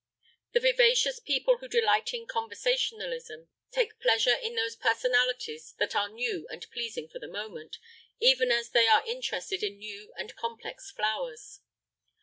The vivacious people who delight in conversationalism, take pleasure in those personalities that are new and pleasing for the moment, even as they are interested in new and complex flowers.